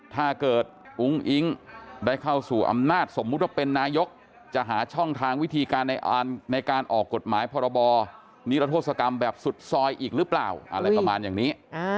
ถ้าเกิดอุ้งอิ๊งได้เข้าสู่อำนาจสมมุติว่าเป็นนายกจะหาช่องทางวิธีการในการออกกฎหมายพรบนิรโทษกรรมแบบสุดซอยอีกหรือเปล่าอะไรประมาณอย่างนี้